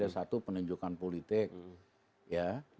satu penunjukan politik ya